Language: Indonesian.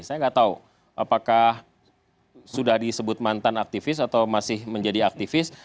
saya nggak tahu apakah sudah disebut mantan aktivis atau masih menjadi aktivis